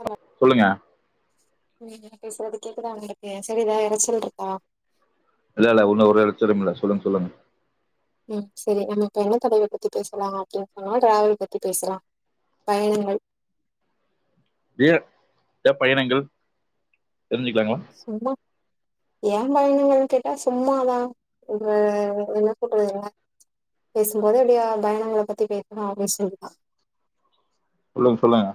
hello சொல்லுங்க ம் நா பேசிறது கேக்குதா உங்களுக்கு சரிதா எறச்சல் இருக்கா இல்லல்ல ஒன்னு ஒரு எறச்சலும் இல்ல சொல்லுங் சொல்லுங்க ம் சேரி நம்ம இப்ப என்ன தலைவர் பத்தி பேசலா அப்டின்னு சொன்னா டிராவல் பத்தி பேசலா பயணங்கள் டியர் ஏ பயணங்கள் தெரிஞ்சிக்கலாங்ளா சும்மா ஏ பயணங்கள் கேட்டா சும்மாதா உங்க என்ன சொல்றது பேசும்போது அப்டியா பயணங்கள பத்தி பேசணு அப்டின்னு சொல்ட்டா சொல்லுங் சொல்லுங்க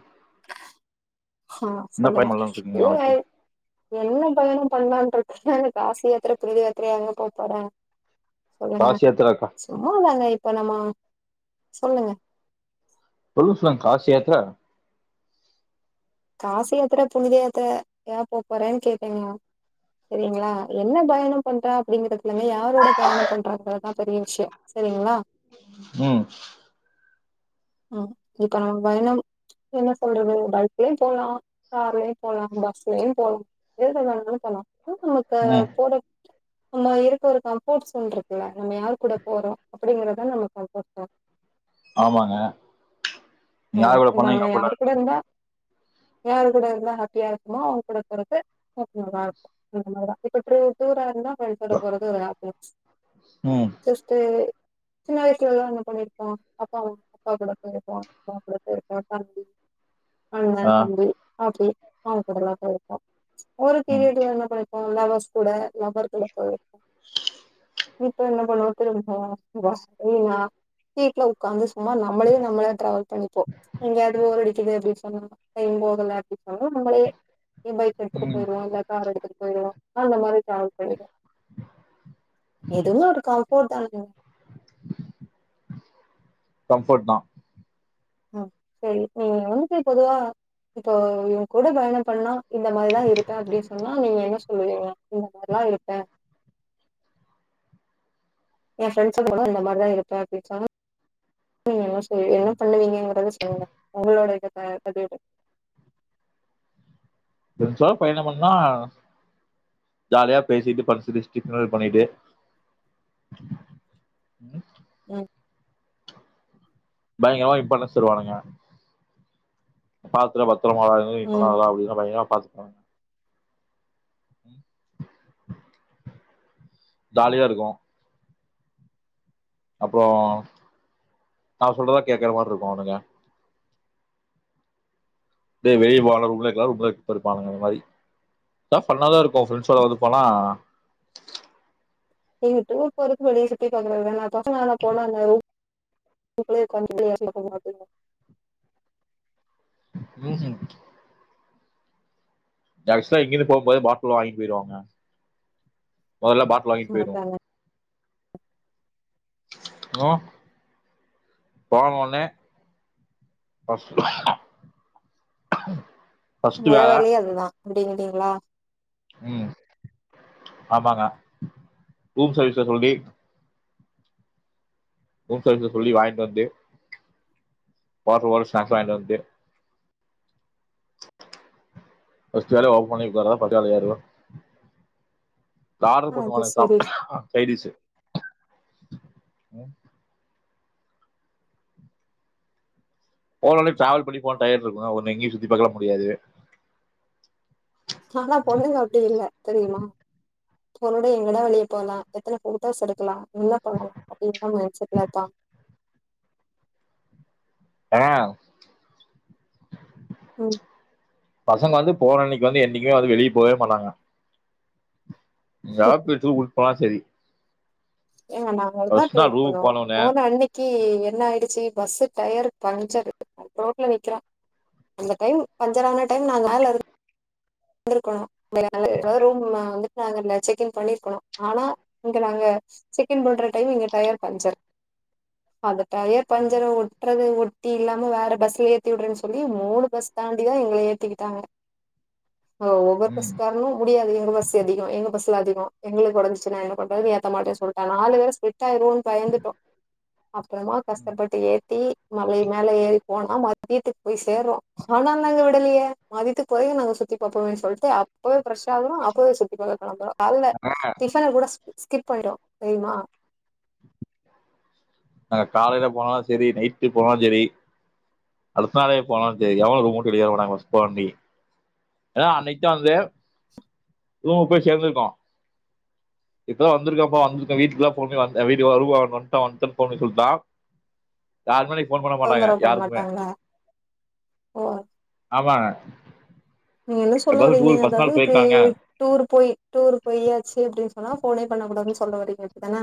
ஆ என்ன சொல்லுங்க பயணம் பண்ணலான்னு இருக்கீங்க இல்லைங்கா நாளைக்கு என்ன பயணம் பண்ணலான்ருக்கங்க எனக்கு காசி யாத்திர புனித யாத்திரயாங்க போ போற சொல்லுங்க காசி யாத்திராக்கா சும்மாதாங்க எப் இப்ப நம்ம சொல்லுங்க சொல்லு சொல்லுங்க காசி யாத்தர காசி யாத்திர புனித யாத்திர ஏ போ போறன் கேப்பீங்களா செரிங்களா என்ன பயணம் பண்றா அப்டிங்கறதுலங்க யாரோட பயணம் பண்றாங்கிறதா பெரிய விஷியோ செரிங்களா ம் ம் இப்ப நா பயணம் என்ன சொல்றது பஸ்லயு போலா கார்லயு போலா பஸ்லயு போலா எது வேணாலுனாலு போலா தூக் நமக்கு ம் போறக் நம்ம இருக்க ஒரு கம்ஃபோர்ட்சோன் இருக்குல்ல நம்ம யாரு கூட போறோ அப்படிங்கறதா நம்ம கம்ஃபோர்ட்சோன் ஆமாங்க ம் யார் கூட போனா நம்ம யாரு கம்ஃபர்ட்டா கூட இருந்தா யாரு கூட இருந்தா ஹாப்பியா இருக்குமோ அவுங்க கூட போறக்கு ஸ்கோப் நல்லா இருக்கு அந்தமாதிரிதா இப்ப எப்டி தூரோ இருந்தா ஃப்ரெண்ட்ஸ் ஓட போறது ஒரு ஏப்தா ம் ஜஸ்ட் சின்ன வயசுலல்லா என்ன பண்ணிருப்போ அப்பாவ அப்பா கூட போயிருப்போ தோன்றது கரெக்டாண்டி அண்ண ஆ தம்பி அப்டியே ஆ கடலா போயிருக்கோ ஒரு ம் பீரியடுல என்ன பண் உன் லவ்வர்ஸ்கூட லவ்வர் கூட போயிருப்ப இப்ப என்ன பண்ணுவோ திரும்பி போவோ பாஸ் இல்லையா சீட்ல உட்காந்து ம்மா நம்லயே நம்மல ட்ராவல் இப்போ எங்கயாது போர் அடிக்குது அப்டி சொன்னா ஐய்யயோ அது அது நம்லே பைக் எடுத்துட்டு ம் பொயிருவா இல்ல கார் எடுத்துட் பொயிருவா அந்த மாதிரி டிராவல் பண்ணிக்குவா இதுவு ஒருக்க போட்டாங்க கம்ஃபர்ட் தா ஹம் சரி நீ வந்துட்டு பொதுவா இப்போ இவ கூட பயணம் பண்ணா இந்த மாரிதா இருப்பே அப்டின்னு சொன்னா நீங்க என்ன இல்லையே இந்த மாரிலா இருப்பே ஏ பிரண்ட்ஸ்ககூடலா அந்த மாரி தா இருப்பே அப்டின்னு சொன்னா [unintelligible] என்ன பண்ணுவீங்கங்கறத சொல்லுங்க ஒங்ளோட ஆஹ் அது ஒரு சொகுசா பயணோ பண்ணா ஜாலியா பேசிட்டு [unintelligible] பண்ணிட்டு உம் பயங்கரமா இத்பண்ண சொல்வாங்க பாத்து [unintelligible] [unintelligible] பாத்துபோங்க ம் உம் ஜாலியா இருக்கு அப்றோ நா சொல்றதா கேக்குற மாரி இருக்கு அவுனுங்க நீ வெளிய போனாலு [unintelligible] நீங்க டூர் போறக்கு வெளிய சுத்திட்டு [unintelligible] பசங்க எல்லா [unintelligible] வீசிங் எக்ஸ்ட்ரா இங்கிருந்து போம் போதே பாட்ல வாங்கிட்பொயிருவாங்க மொதல்ல பாட்ல வாங்கிட்டு பொயிருவோ மாட்டாங்க [unintelligible] மொத வேல வேலயே அது தா வடியவிடியங்ளா உம் ஆமாங்க ரூம் சர்வீஸ்ல சொல்லி ரூம் சர்வீஸ்ல சொல்லி வாங்கிட்டு வந்து வாட்டர் பாட்டில் ஸ்நாக்ஸ்லா வாங்கிட்டு வந்து ஃபர்ஸ்ட்டு வேலையா ஓபன் [unintelligible] ஆர்டர் அது பண்ணுவானுங்க சரி சாப் சைடிஷு உம் போனாலே டிராவல் பண்ணி போன டயட் இருக்கு ஒண்ணு எங்கேயு சுத்தி பாக்கலா முடியாது ஆனா பொண்ணுங்க அப்டி இல்ல தெரியுமா போனதும் எங்கலா வெளிய போகலாம் எத்தனை போட்டோஸ் எடுக்கலாம் என்ன பண்ணலாம் அப்படின்னுதான் மைண்ட் செட்ல இருப்பா ஆஹ் உம் பசங்க வந்து போனன்னைக்கு வந்து என்னைக்குமே வந்து வெளியே போகவே மாட்டாங்க எங்கயாவது போய்ட்டு ஊருக்கு போனா சரி ஏங்க நாங்கதான் ஃபர்ஸ்ட் டூர் நாள் ரூமுக்கு போனோம் போனோனே போன அன்னைக்கு என்ன ஆயிடுச்சு பஸ் டயர் பஞ்சர் ரோட்ல நிற்கிறோம் அந்த டைம் பஞ்சர் ஆன டைம் நான் மேல இரு க்கும் [unintelligible] நாங்க ரூம் வந்துட்டு செக்இன் பண்ணிருக்கனும் ஆனா இங்க நாங்க செக் இன் பண்ற டைம் இங்க டயர் பஞ்சர் அத பழைய பஞ்சர ஒ றது ஒட்டி இல்லாம வேற பஸ்ல ஏத்தி விடுறேன்னு சொல்லி மூணு பஸ் தாண்டிதான் எங்களை ஏத்தி விட்டாங்க ஒவ்வொரு ம் பஸ்காரனும் முடியாது எங்க பஸ்ல அதிகம் எங்க பஸ்ல அதிக ம் எங்களுக்கு உடம்பு சரியில்லை என்ன பண்றது ஏத்த மாட்ட சொல்லிட்ட நாலு பேரு னு பயந்துட்டோம் அப்புறமா கஷ்டப்பட்டு ஏத்தி மல மேல ஏறி போனா மதியத்துக்கு போய் சேர்ரோம் ஆனா நாங்க விடலையே மதியத்துக்கு போய் நாங்க சு த்தி பாப் சொல்லிட்டு அப்பவே ஃப்ரெஷ்ஷா ஆகரோம் அப்பவே சுத்தி பாக்க கிளம்பரும் கால்ல டிஃபன கூட ஸ்கிப் ஆயிடும் தெரியுமா நாங்க காலையில போனாலும் சரி நைட்டு் போனாலும் சரி அடுத்த நாளே போனாலும் சரி எவனும் ரூமுட்டு வெளிய [unintelligible] ஏன்னா அன்னைக்கு தான் வந்து ரூமுக்கு போய் சேர்ந்திருக்கோம் இப்பாம் வந்திருக்கப்ப வந்திருக்கோம் வீட்டுக்குல்லாம் [unintelligible] [unintelligible] போன் பண்ண மாட்டாங்க தொந்தரவு பண்ண யாருக்குமே மாட்டாங்களா ஓ ஆமாங்க நீங்க என்ன சொல்ல எப்போதும் வறீங்க டூர் ஃபர்ஸ்ட் அதாவது நாள் இப்படி போயிருக்காங்க டூர் போய் டூர் போயாச்சு அப்டின்னு சொ போனா போன் பண்ண கூடாதுன்னு சொல்ல வரீங்க அப்படிதானே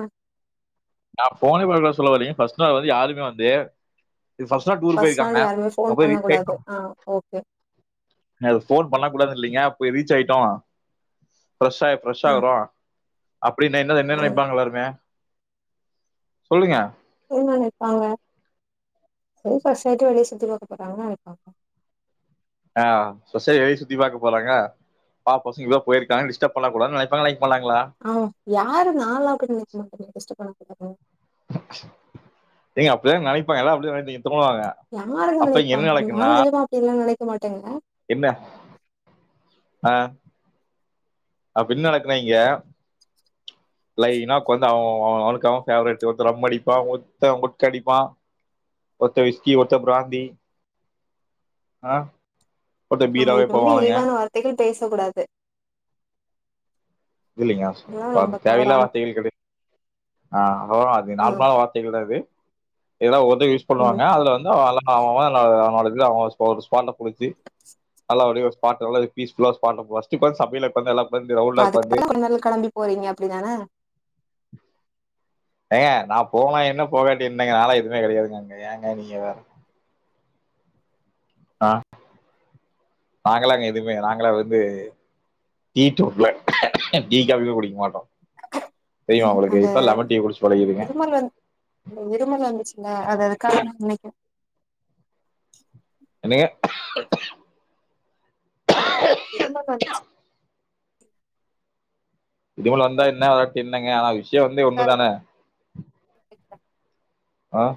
நான் போனை பன்னகூடாது சொல்ல வரலங்க பர்ஸ்ட் நாள் வந்து யாருமே வந்து ஃபர்ஸ்ட் நாள் டூர் ஃபஸ்ட் போயிருக்காங்க நாள் யாருமே நான் போன் போய் பண்ண கூடாது ஆ ஓகே போன் பண்ண கூடாது இல்லைங்க போய் ரீச் ஆயிட்டோம் ஃப்ரெஷ்ஷாய் ஃப்ரெஷ் ஆ ஆகுறோம் அப்படின்ன என்ன என்ன ஆ நினைப்பாங்கா எல்லாருமே சொல்லுங்க என்ன நினைப்பாங்க ஏதோ ஃப்ரஸாயிட்டு வெளிய சுத்தி பாக்க போறாங்கனு நினைப்பாங்க ஆஹ் [unintelligible] வெளிய சுத்தி பாக்க போறாங்க பா பசங்க எங்கையோ போயிருக்காங்க டிஸ்டர்ப் பண்ண கூடாதுனு நினைப்பா [unintelligible] உஹ ஏங்க அப்டிதாங் நினைப்பாங்க எல்லா அப்டி நினைப்பி யாருங்க நினைப்பா நாங்க எதுக்கு அப்டிலாம் நினைப் மாட்டோங்க என்ன ஆஹ் அப்பின்ன நடக்குனா இங்க லைன்னா உக்காந்து அவன் அவனுக்கு அவன் பேவரட் ஒருத்த ரம் அடிப்பான் ஒருத்தன் ஓட்கா அடிப்பான் ஒருத்தன் விஸ்கி ஒருத்தன் பிராந்தி ஆ பாத்த நம்ம பீராவே இப்ப வந்து போவானுங்க இழிவான வார்த்தைகள் பேசக் கூடாது இதில்லிங்கா யார் சொ இதெல்லா இப்ப ரொம்ப தேவையில்லாத தவறான வார்த்தைகள் கெடை ஆ அதலா அது ம் நார்மலான வார்த்தைகள்தா அது எதா ஒ யூஸ் ம் பண்ணுவாங்க அதுல வந்து அவன்லா அவ அவ அவனோட அவங்க ஒரு ஒரு [unintelligible] முடிஞ்சு நல்லா வடி பாட்ட நல்லா பீஸ்ஃபுல்லா [unintelligible] சமையலுக் வந்து எல்லா இப்ப அதுக்கு தான கொடைக்கானல் கெளம்பி போறிங்க அப்படிதான ஏங்க நா போனா என்ன போவட்டி என்ன இருந்தங்கனால நால எதுவுமே கடையாதுங்க அங்க ஏங்க நீங்க வேற அ நாங்களாங்க எதுமே நாங்களா வந்து டீடோட்லர் ஆகிய டீ காப்பி குடிக்க மாட்டோ அந்த பழகிடுங்க இருமல் வந் இருமல் வந்துச்சுல்ல அது அது காரண நெ என்னங்க இருமல் வந்ச்சு இருமல் வந்தா என்ன வாரட்டி என் என்னங்க ஆனா வி விஷியோ வந்து அதுக்காக ஒன்னுதான தா நெனைக்கிறே அ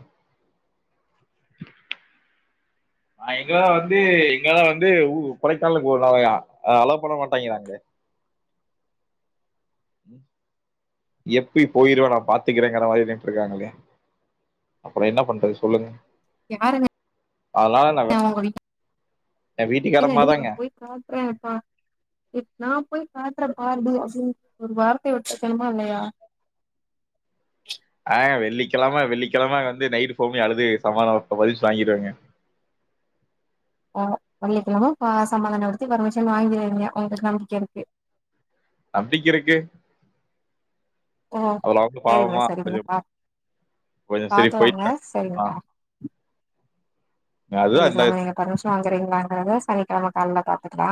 அ இங்கெல்லா வந்து இங்கல்லா வந்து உ கொடைக்கானலுக்கு [unintelligible] அலோ பண்ண மாட்டாங்கிறாங்லே எப்டி போயிருவ நா பாத்துக்கிறேங்கிற மாரியே நின்ட்ருக்காங்களே அப்புற என்ன பண்றது சொல்லுங்க யாருங்கங்க அதனால நான் ஒங்க வீட் என் ஏங்க வீட்டுக்காரமா நீங்க தாங்க போய் [inaudible] நா போய் பாத்ர பா அப்டி ஒரு வார்த்தய விட்டுருக்கணுமா இல்லயா அ வெள்ளி வெள்ளிக்கெழம வெள்ளிக்கெழம வந்து நைட்டு போமி அழுது சமாதான ப்பரிஸ் வாங்கிருவாங்க ஓ வெள்ளிக்கெழம சமாதானப்படுத்தி பர்மிஷன் வாங்கிறுவிங்க உங்ளுக்கு நம்பிக்க இருக்கு அப்டிக் இருக்கு ஓ அதுல அவங்க சேரிங்க பாவமா செரிங்க கொஞ்சம் கொஞ்சம் சரி பாக்கலாங்க போயிட்டு ஆ செரிங்கா அதுதான் இந்த வெள்ளிக்கெழம நீங்க பர்மிஷன் வாங்குறீங்களாங்கத சனி கெழம கால்ல பாத்துக்லா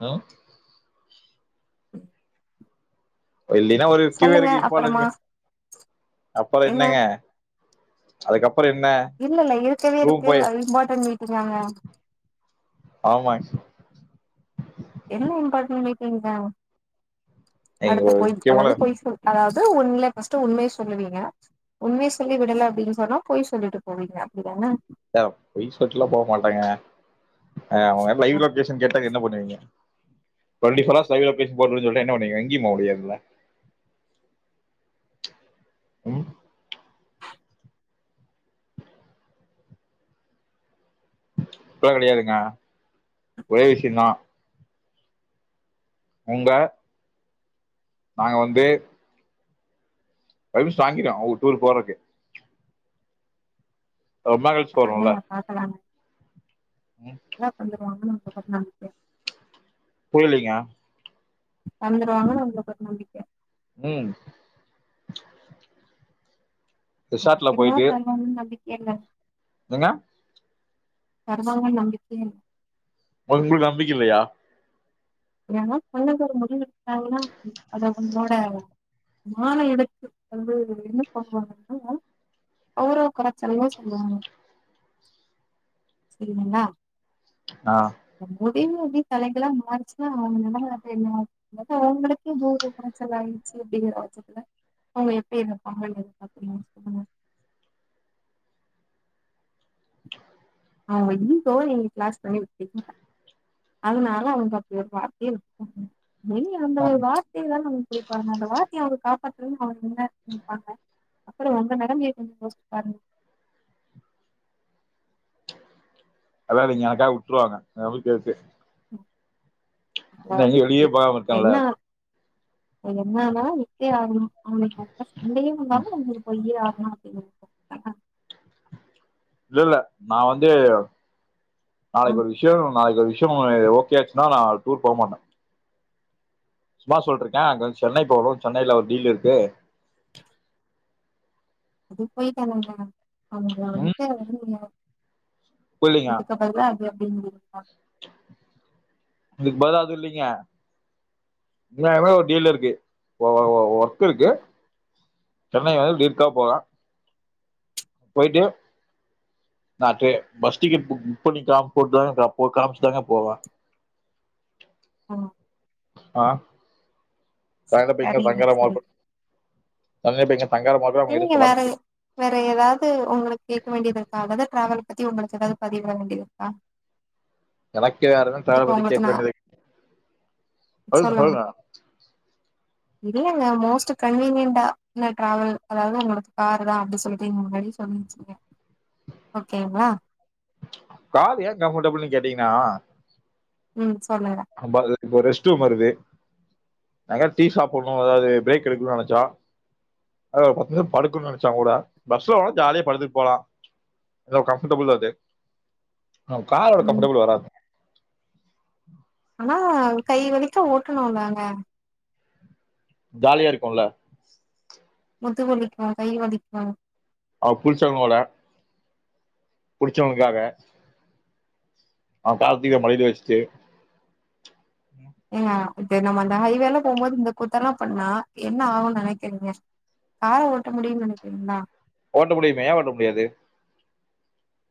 நோ இல்லினா ஒரு கிவே சொல்லுங்க இருக்கு அப்பறமா இப்ப அப்புற என்ன என்னங்க அதுக்கப்புற என்ன இல்ல இல்ல இருக்கவே ரூம் இருக்கு போயி அது இம்பார்ட்டன்ட் மீட்டிங்காங்க ஆமாங் என்ன இம்பார்ட்டன் மீட்டிங் தா நீங்க அடுத்த ஒரு பொய் முக்கியமான அதாவது பொய் சொ அதாவது உண் ஃபர்ஸ்ட்ட் உண்மையை சொல்லுவீங்க உண்மைய சொல்லி விடல அப்டின்னு சொன்னா பொய் சொல்லிட்டு போவீங்க அப்டியானா யாம் பொய் சொல்லிட்டுலா போ மாட்டாங்க அவ்ங்க லைவ் லொகேஷன் கேட்டா என்ன பண்ணுவீங்க twenty four hours live location போட சொன்னா என்ன பண்ணுவிங்க எங்கே போக முடியாது ங்க உம் அப்டில்லா கிடையாதுங்க ஒரே விஷ்யோதா உங்க நாங்க வந்து பர் மிசோன் வாங்கிட்டோ ஓ டூட்ரு போறக்கு ரொம்ப கழிச்சு போறோல என்ன தந்துருவாங்லா மக்க புரியலீங்க தந்துருவாங்கன்னு உங்களுக்கு ஒரு நம்பிக்கை உம்ம் ரேசாட்டுல போயிட்டு என்ன ஏங்க தருவாங்கனு நம்பிக்கையேல் உங்ளுக்கு நம்பிக்கை இல்லையா ஏன்னா பல்லது ஒரு முடிவு எடுத்தாங்கன்னா அத அவங்களோட மான இடுத்து வந்து என்ன பண்ணுவாங்கன்னா கௌரவ கெரச்சலையு சொல்லுவாங்க செரிங்களா ஆஹ் திமுதி தலைகளா மார் ஆ அவம நடமுற தெரியு என் அவுங்களு பூ உச்சல் ஆயிடுச்சு அப்டிங்கிற வட்சத்துல அவுங்க எப்டி இருப்பாங்க சொல்லு அவ்ங்க இங்கோ நீங்க கிளாஸ் பண்ணி விட்டுகிங்க அதனால அவ்ங்க அப்டி ஒரு வார்த்தையே வி நீங்க அந்த ஒரு வார்த்தையைதா நமக்கு பிடிப்பாங்க அந்த வார்த்தை அவங்கப் [unintelligible] ஆ வங்க நினைங்க அப்புறோ உங்க நிலைமைய கொஞ்சோ யோசிச்சு பாருங்க அத நீங்க யாருகிடயா விட்டுருவாங்க கேக்கு ஆ ங்க வெளியே போகாம இருக்கேன்ல என்னானா இத்தே அவுங்ளுக்கு சண்டைய இல்லாலு உங்களுக்கு போய் ஆ இல்லல்ல நான் வந்து ஆ நாளைக்கு ஒரு விஷ்யோ நாளைக்கு ஒரு விஷ்யோ ட்மொழி ஓகே ஆச்சுன்னா நான் டூர் போ மாட்டேன் சும்மா சொல்றக்கே அங்க வந்து சென்னை போனு சென்னையில ஒரு டீல் இருக்கு அது போயிட் தராங்கல அவுங்க ம் வந்து [unintelligible] புரியலீங்க இதுக்க அப்பற்ந்தா ய அப்டிங்கிறிங்ளா இதுக்கு பதுலா எது இல்லிங்க ஏழாயர்வா ஒரு டீவ்ல இருக்கு ஒ ஒ ஒ ஓர் கு இருக்கு சென்னை வந்து லீவ்க்கா போற போயிட்டு நா ட்ரே பஸ் டிக்கெட் ஃபுக் பண்ணி கா போட்டுங்க காமிச்சுதாங்க போவ அ அ சாங்லப்ப இங்க சரிங்க பய்ங்கரமா சரிங்க இருக்கு [unintelligible] நீங்க வேற எ வேற ஏதாவது உங்களுக்கு கேட்க வேண்டியதுக்காகதான் டிராவல் பத்தி உங்களுக்கு ஏதாவது பதிவிட வேண்டியது இருக்கா எனக்க வேறதா தலை இப்ப வலி உங்களுக்கு கேட்க நா வேண்டியது சொல்லுங்க சொல்லுங்க இல்லங்க மோஸ்ட் கன்வீனியன்டா இல்ல டிராவல் அதாவது உங்களோட காரு தான் அப்பிடி சொல்ட்டு முன்னாடியே சொல்லிி வச்சிருச்சக்கேன் ஓகேங்களா கார் ஏன் கம்ஃபர்டபுள்னு கேட்டீங்கன்னா ம் சொல்லுங்க அம்மாக்கு இப்ப ஒரு ரெஸ்டூ ரூம் வருது எங்காது டீ சாப்புணும் அதாவது பிரேக் எடுக்கலான்னு நெனைச்சோ அதுல ஒரு பத்து நிமிஷம் படுக்கணும்னு நெனைச்சா கூட பஸ்ல போனா ஜாலியா படுத்துட்டு போலாம் எந்த ஒரு கம்ஃபர்ட்டபிள் இருக்காது ஆ காரோட ம் கம்ஃபர்டபிள் வராது ஆனா கை வலிக்க ஓட்டணும் நாங்க ஜாலியா இருக்கோல்ல முது வலிக்கும் கை வலிக்கும் அவ புருசனோட புடிச்சவங்களுக்காக அவ கார்த்திக்க படிக்க வச்சுட்டு ஏங்க இது நம்ம அந்த ஹைவேல போம்போது இந்த கூத்தெல்லாம் பண்ணா என்ன ஆகும்ன்னு நெனைக்கிறீங்க காரை ஓட்ட முடியும்னு நெனைக்கிறீங்களா ஓட்ட முடியுமே ஏன் ஓட்ட முடியாது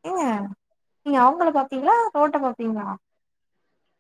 ஏங்க நீங்க அவுங்கள பாப்பீங்களா ரோட்ட பாப்பீங்களா